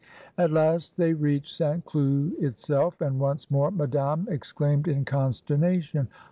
At last they reached St. Cloud itself, and once more Madame exclaimed in consternation.